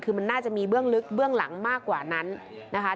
คือมันน่าจะมีเบื้องลึกเบื้องหลังมากกว่านั้นนะคะ